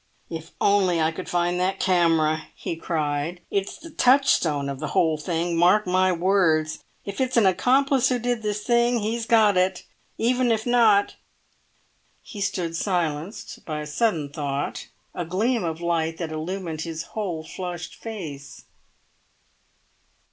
"If only I could find that camera!" he cried. "It's the touchstone of the whole thing, mark my words. If it's an accomplice who did this thing, he's got it; even if not——" He stood silenced by a sudden thought, a gleam of light that illumined his whole flushed face.